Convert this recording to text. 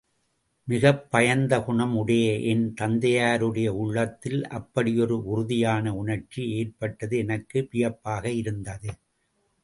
மிகப் பயந்த குணம் உடைய என் தந்தையாருடைய உள்ளத்தில் அப்படியொரு உறுதியான உணர்ச்சி ஏற்பட்டது எனக்கு வியப்பாக இருந்தது.